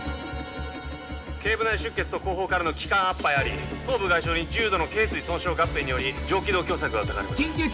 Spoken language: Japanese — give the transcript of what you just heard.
頸部内出血と後方からの気管圧排あり頭部外傷に重度の頸椎損傷合併により上気道狭窄が疑われます